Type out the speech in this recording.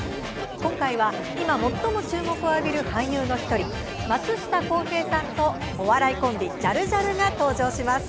今回は今、最も注目を浴びる俳優の１人松下洸平さんとお笑いコンビジャルジャルが登場します。